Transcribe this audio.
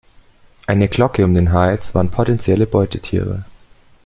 Eine Glocke um den Hals warnt potenzielle Beutetiere.